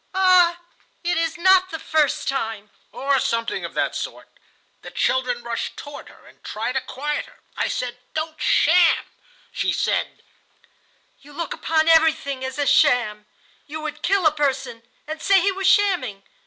'Ah, it is not the first time,' or something of that sort. The children rushed toward her and tried to quiet her. I said: 'Don't sham.' She said: 'You look upon everything as a sham. You would kill a person and say he was shamming.